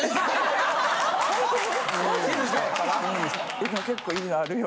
でも結構いいのあるよ。